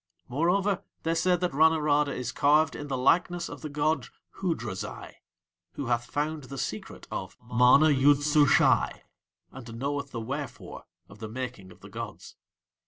Moreover, they say that Ranorada is carved in the likeness of the god Hoodrazai, who hath found the secret of MANA YOOD SUSHAI, and knoweth the wherefore of the making of the gods.